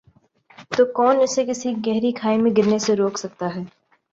تو کون اسے کسی گہری کھائی میں گرنے سے روک سکتا ہے ۔